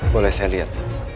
boleh saya liat